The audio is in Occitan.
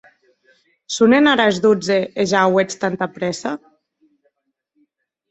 Sonen ara es dotze, e ja auetz tanta prèssa?